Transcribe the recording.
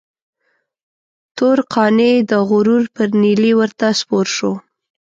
تور قانع د غرور پر نيلي ورته سپور شو.